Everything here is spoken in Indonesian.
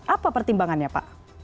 apa pertimbangannya pak